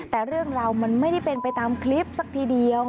แต่เรื่องราวมันไม่ได้เป็นไปตามคลิปสักทีเดียว